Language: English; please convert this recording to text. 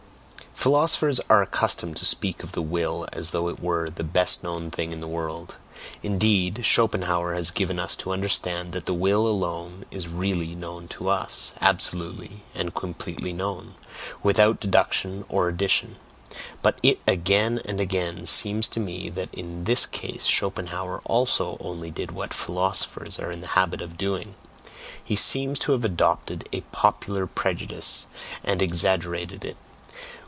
Philosophers are accustomed to speak of the will as though it were the best known thing in the world; indeed, Schopenhauer has given us to understand that the will alone is really known to us, absolutely and completely known, without deduction or addition. But it again and again seems to me that in this case Schopenhauer also only did what philosophers are in the habit of doing he seems to have adopted a POPULAR PREJUDICE and exaggerated it.